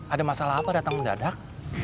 ada masalah apa datang mendadak